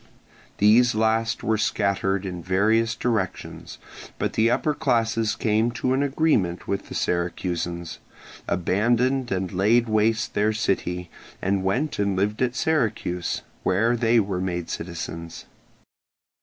These last were scattered in various directions; but the upper classes came to an agreement with the Syracusans, abandoned and laid waste their city, and went and lived at Syracuse, where they were made citizens.